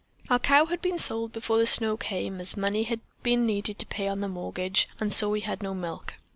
"Our cow had been sold before the snow came, as money had been needed to pay on the mortgage, and so we had no milk.